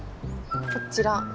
こちら。